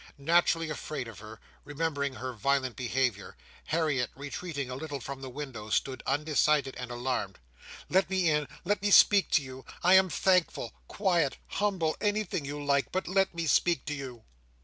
Naturally afraid of her, remembering her violent behaviour, Harriet, retreating a little from the window, stood undecided and alarmed. "Let me in! Let me speak to you! I am thankful—quiet—humble—anything you like. But let me speak to you."